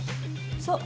そう。